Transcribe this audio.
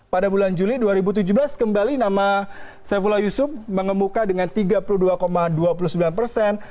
pada bulan juli dua ribu tujuh belas kembali nama saifullah yusuf mengemuka dengan tiga puluh dua dua puluh sembilan persen